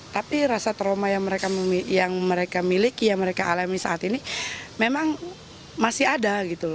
tapi rasa trauma yang mereka miliki yang mereka alami saat ini memang masih ada gitu